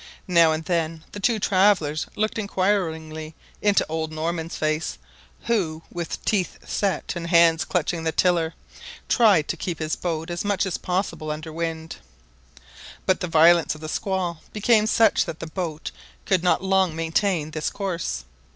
Now and then the two travellers looked inquiringly into old Norman's face, who, with teeth set and hands clutching the tiller; tried to keep his boat as much as possible under wind. But the violence of the squall became such that the boat could not long maintain this course.